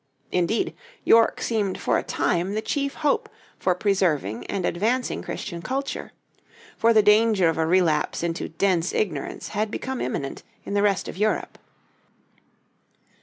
Indeed, York seemed for a time the chief hope for preserving and advancing Christian culture; for the danger of a relapse into dense ignorance had become imminent in the rest of Europe.